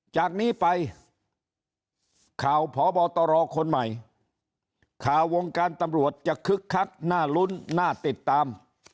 จากนี้ไปข่าวพบตรคนใหม่ข่าววงการตำรวจจะคึกคักน่าลุ้นน่าติดตาม